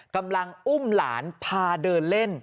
กำลังอุ้มหลานพาเดินเล่น